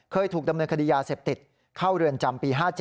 เคยถูกดำเนินคดียาเสพติดเข้าเรือนจำปี๕๗